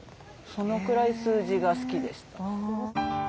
そのくらい数字が好きでした。